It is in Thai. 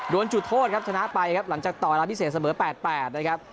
จุดโทษครับชนะไปครับหลังจากต่อเวลาพิเศษเสมอ๘๘นะครับ